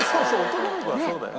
男の子はそうだよ。